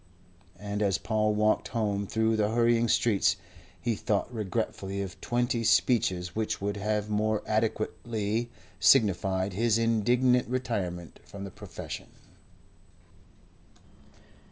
And as Paul walked home through the hurrying streets, he thought regretfully of twenty speeches which would have more adequately signified his indignant retirement from the profession.